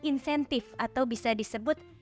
insentif atau bisa disebut